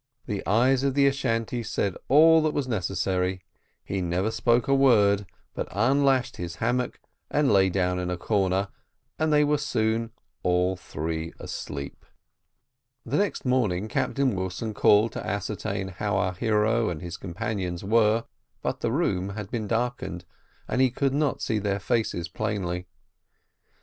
The eyes of the Ashantee said all that was necessary he never spoke a word, but unlashed his hammock and lay down in a corner, and they were soon all three asleep. The next morning Captain Wilson called to ascertain how our hero and his companion were, but the room had been darkened, and he could not see their faces plainly.